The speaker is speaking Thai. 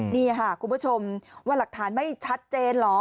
นี่ค่ะคุณผู้ชมว่าหลักฐานไม่ชัดเจนเหรอ